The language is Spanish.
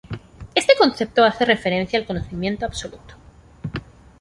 Este concepto hace referencia al conocimiento absoluto.